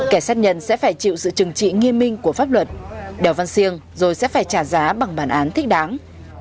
kẻ sát nhân sẽ phải chịu sự trừng trị nghiêm minh của pháp luật đèo văn siêng rồi sẽ phải trả giá bằng bản án thích đáng